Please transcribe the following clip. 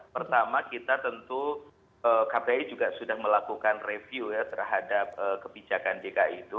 pertama kita tentu kpi juga sudah melakukan review ya terhadap kebijakan dki itu